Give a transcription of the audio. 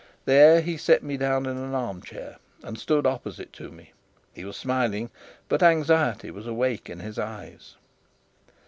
There he set me down in an arm chair, and stood opposite to me. He was smiling, but anxiety was awake in his eyes.